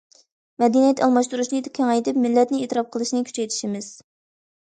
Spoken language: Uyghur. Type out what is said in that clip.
مەدەنىيەت ئالماشتۇرۇشنى كېڭەيتىپ، مىللەتنى ئېتىراپ قىلىشنى كۈچەيتىشىمىز.